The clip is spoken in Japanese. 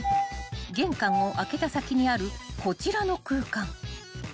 ［玄関を開けた先にあるこちらの空間］